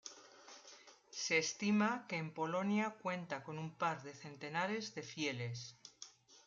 Se estima que en Polonia cuenta con un par de centenares de fieles.